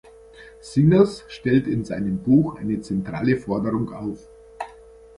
Singers stellt in seinem Buch eine zentrale Forderung auf.